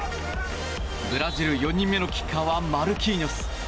ブラジル４人目のキッカーはマルキーニョス。